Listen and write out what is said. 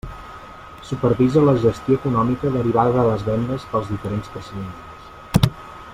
Supervisa la gestió econòmica derivada de les vendes pels diferents procediments.